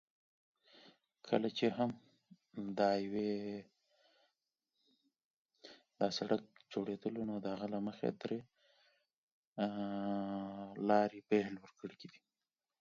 Since construction of the highway, three interchanges have been added or expanded.